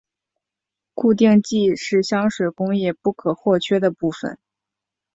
固定剂是香水工业不可或缺的部份。